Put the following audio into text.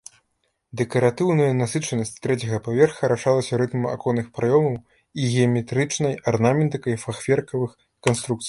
Дэкаратыўная насычанасць трэцяга паверха рашалася рытмам аконных праёмаў і геаметрычнай арнаментыкай фахверкавых канструкцый.